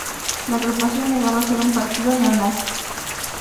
La agrupación negaba ser un partido "neonazi".